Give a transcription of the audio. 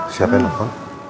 siapa yang nunggu